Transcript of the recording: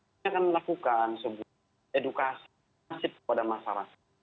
kita akan melakukan edukasi masyarakat